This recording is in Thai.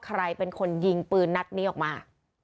ใครเป็นคนยิงปืนนัดนี้ออกมา